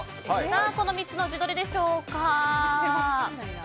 この３つのうちどれでしょうか？